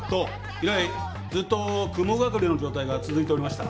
以来ずっと雲隠れの状態が続いておりました。